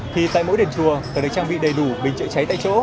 thì tại mỗi đền chùa cần được trang bị đầy đủ bình chữa cháy tại chỗ